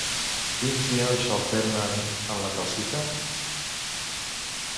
Quins ions s'alternen en la calcita?